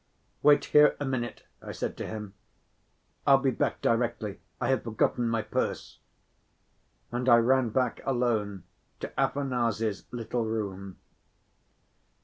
"Wait here a minute," I said to him. "I'll be back directly, I have forgotten my purse." And I ran back alone, to Afanasy's little room.